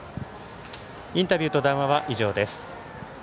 インタビューと談話は以上です。